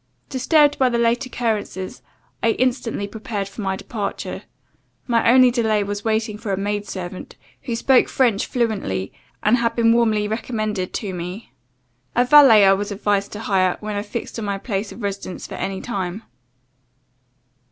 Disturbed by the late occurrences, I instantly prepared for my departure. My only delay was waiting for a maid servant, who spoke French fluently, and had been warmly recommended to me. A valet I was advised to hire, when I fixed on my place of residence for any time.